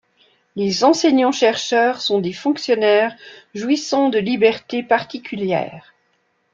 Les enseignants-chercheurs sont des fonctionnaires jouissant de libertés particulières.